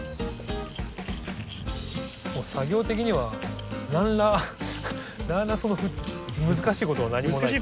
もう作業的には何ら難しいことは何もないんで。